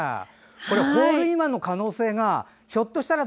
ホールインワンの可能性がひょっとしたら